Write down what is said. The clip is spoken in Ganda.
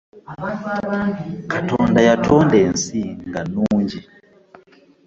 Katonda yatonda ensi nga nnungi.